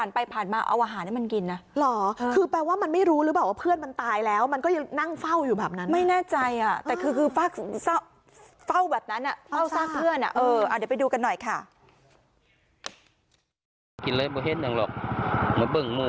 แต่คือเฝ้าแบบนั้นเฝ้าทราบเพื่อน